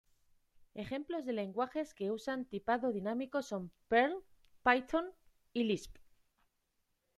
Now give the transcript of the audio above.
Ejemplos de lenguajes que usan tipado dinámico son Perl, Python y Lisp.